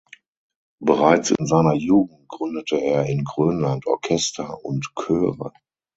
Bereits in seiner Jugend gründete er in Grönland Orchester und Chöre.